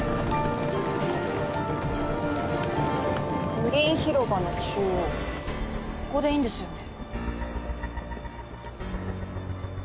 グリーン広場の中央ここでいいんですよね？